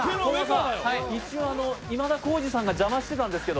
今田耕司さんが邪魔してたんですけど。